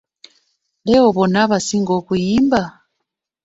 Leo bonna abasinga okuyimba!